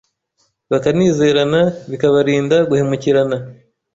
bakanizerana, bikabarinda guhemukirana.